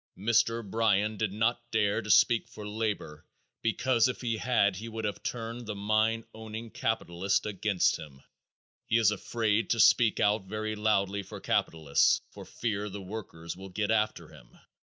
Mr. Bryan did not dare to speak for labor because if he had he would have turned the mine owning capitalists against him. He is afraid to speak out very loudly for capitalists for fear the workers will get after him.